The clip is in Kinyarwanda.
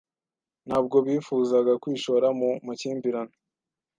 Ntabwo bifuzaga kwishora mu makimbirane.